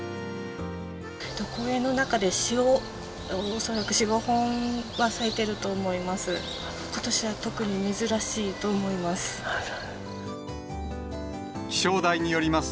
公園の中で恐らく４、５本は咲いてると思います。